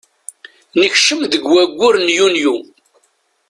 Nekcem deg waggur n yunyu.